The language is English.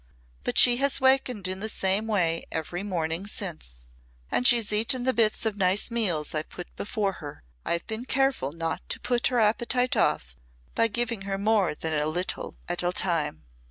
But she has wakened in the same way every morning since. And she's eaten the bits of nice meals I've put before her. I've been careful not to put her appetite off by giving her more than a little at a time.